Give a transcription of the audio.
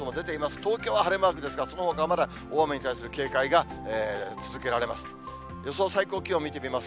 とうきょうははれまーくですがそのほかはまだ、大雨に対する警戒が続けられます。